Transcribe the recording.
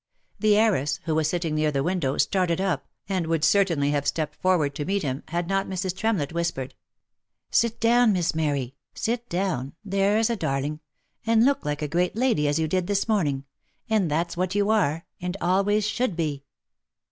The heiress, who was sitting near the window, started up, and would certainly have stepped forward to meet him, had not Mrs. Tremlett whispered, "Sit down, Miss Mary, sit down, there's a darling, and look like a great lady as you did this morning; and that's what you are, and always should be."